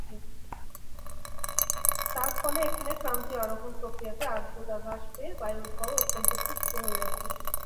তার ফলে এখানে ক্রান্তীয় আরোহণ প্রক্রিয়াতে আর্দ্রতা হ্রাস পেয়ে বায়ুর ভর অত্যন্ত শুষ্ক হয়ে ওঠে।